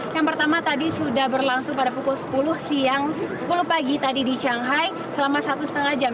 yang pertama tadi sudah berlangsung pada pukul sepuluh siang sepuluh pagi tadi di shanghai selama satu setengah jam